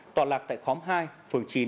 tọa lạc tại khóm hai phường chín